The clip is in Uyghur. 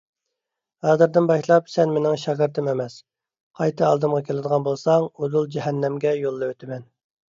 ھازىردىن باشلاپ سەن مېنىڭ شاگىرتىم ئەمەس! قايتا ئالدىمغا كېلىدىغان بولساڭ ئۇدۇل جەھەننەمگە يوللىۋېتىمەن!